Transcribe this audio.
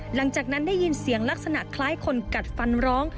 หลังจากนั้นได้ยินเสียงลักษณะคล้ายคนกัดฟันร้อง